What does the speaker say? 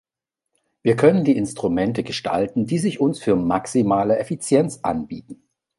Wir können die Instrumente gestalten, die sich uns für maximale Effizienz anbieten.